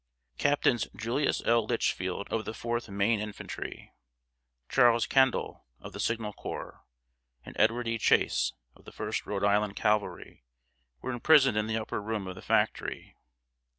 ] Captains Julius L. Litchfield, of the Fourth Maine Infantry, Charles Kendall, of the Signal Corps, and Edward E. Chase, of the First Rhode Island Cavalry, were imprisoned in the upper room of the factory.